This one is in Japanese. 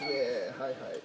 はいはい。